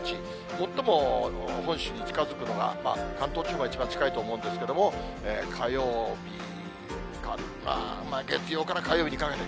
最も本州に近づくのが、関東地方が一番近いと思うんですけど、火曜日か、まあ、月曜日から火曜日にかけて。